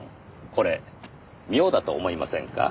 これ妙だと思いませんか？